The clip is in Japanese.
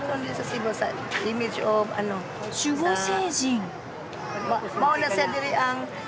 守護聖人。